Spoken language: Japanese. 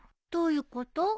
どういうこと？